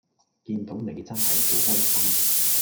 見到你真係好開心